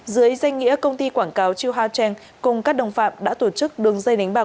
dưới danh nghĩa công ty quảng cáo chiêu hao cheng cùng các đồng phạm đã tổ chức đường dây đánh bạc